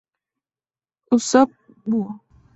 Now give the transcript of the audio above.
Usopp: Búho.